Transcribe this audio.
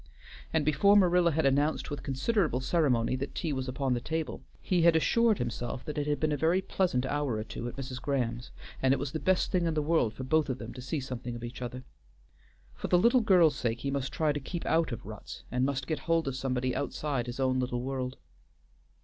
And before Marilla had announced with considerable ceremony that tea was upon the table, he had assured himself that it had been a very pleasant hour or two at Mrs. Graham's, and it was the best thing in the world for both of them to see something of each other. For the little girl's sake he must try to keep out of ruts, and must get hold of somebody outside his own little world.